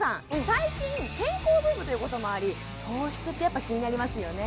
最近健康ブームということもあり糖質ってやっぱ気になりますよね